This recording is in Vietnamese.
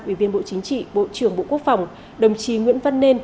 ủy viên bộ chính trị bộ trưởng bộ quốc phòng đồng chí nguyễn văn nên